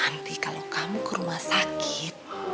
nanti kalau kamu ke rumah sakit